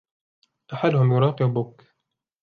أحدهم يراقبك.